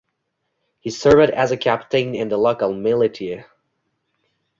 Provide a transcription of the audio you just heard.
He served as a captain in the local militia.